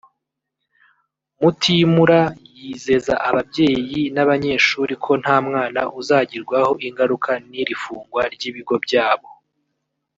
Mutimura yizeza ababyeyi n’abanyeshuri ko nta mwana uzagirwaho ingaruka n’iri fungwa ry’ibigo byabo